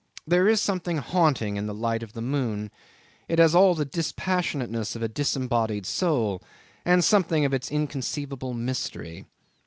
There is something haunting in the light of the moon; it has all the dispassionateness of a disembodied soul, and something of its inconceivable mystery.